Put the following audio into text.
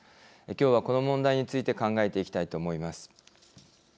きょうは、この問題について考えていきたいと思います。